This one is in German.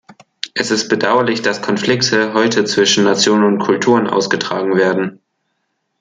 Es ist bedauerlich, dass Konflikte heute zwischen Nationen und Kulturen ausgetragen werden.